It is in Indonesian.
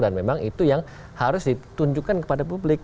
dan memang itu yang harus ditunjukkan kepada publik